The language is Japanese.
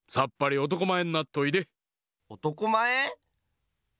おとこまえ！